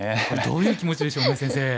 どういう気持ちでしょうね先生。